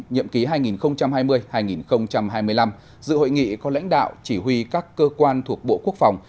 nhiệm ký hai nghìn hai mươi hai nghìn hai mươi năm dự hội nghị có lãnh đạo chỉ huy các cơ quan thuộc bộ quốc phòng